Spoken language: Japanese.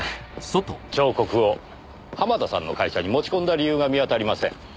彫刻を濱田さんの会社に持ち込んだ理由が見当たりません。